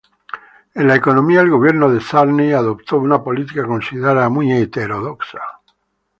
En la economía, el gobierno de Sarney adoptó una política considerada muy heterodoxa.